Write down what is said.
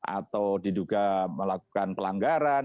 atau diduga melakukan pelanggaran